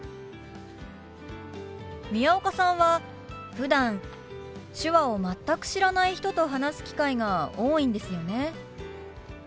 宮岡さんはふだん手話を全く知らない人と話す機会が多いんですよね。